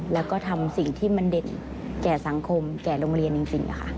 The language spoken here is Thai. แล้วก็ทำสิ่งที่มันเด่นแก่สังคมแก่โรงเรียนจริง